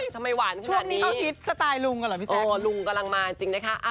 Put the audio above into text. ทำไมหวานช่วงนี้เขาฮิตสไตล์ลุงกันเหรอพี่โจลุงกำลังมาจริงนะคะ